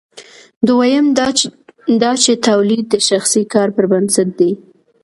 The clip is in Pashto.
دویم دا چې تولید د شخصي کار پر بنسټ دی.